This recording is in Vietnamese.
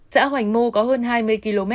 xã hoành mô có hơn hai mươi km